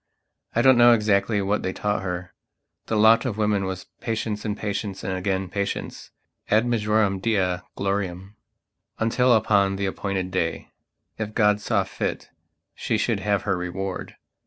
I don't know exactly what they taught her. The lot of women was patience and patience and again patiencead majorem Dei gloriamuntil upon the appointed day, if God saw fit, she should have her reward.